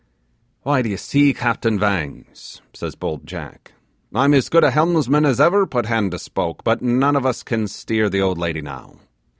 'Why d'ye see, Captain Vangs,' says bold Jack, 'I'm as good a helmsman as ever put hand to spoke; but none of us can steer the old lady now.